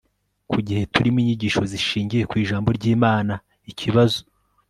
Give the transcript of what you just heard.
ku gihe turimo Inyigisho zishingiye ku Ijambo ry Imana Ikibazo